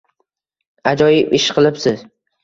Ajoyib ish qilibsiz.